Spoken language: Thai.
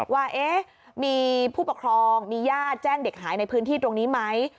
ว่ามีผู้ปกครองมีญาติแจ้งเด็กหายในพื้นที่ตรงนี้ไหม